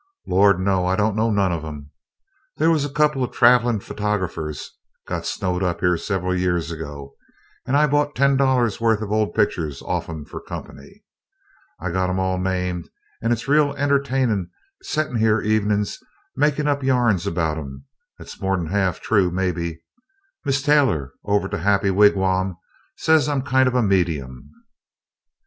"Lord, no! I don't know none of 'em. There was a couple of travelin' photygraphers got snowed up here several year ago and I bought ten dollars' worth of old pictures off 'em for company. I got 'em all named, and it's real entertainin' settin' here evenin's makin' up yarns about 'em that's more'n half true, maybe Mis' Taylor over to Happy Wigwam says I'm kind of a medium."